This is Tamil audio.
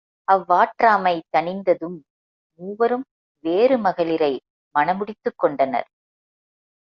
அவ்வாற்றாமை தணிந்ததும் மூவரும் வேறு மகளிரை மணமுடித்துக் கொண்டனர்.